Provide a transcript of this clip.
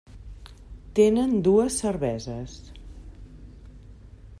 Tenen dues cerveses: